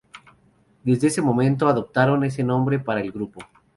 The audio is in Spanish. Desde ese momento, adoptaron ese nombre para el grupo.